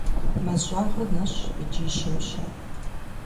Мэз щӀагъыр нэщӀщ икӀи щымщ.